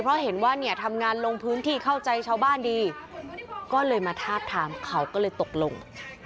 เพราะเห็นว่าเนี่ยทำงานลงพื้นที่เข้าใจชาวบ้านดีก็เลยมาทาบทามเขาก็เลยตกลง